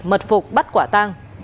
mật phục bắt quả tăng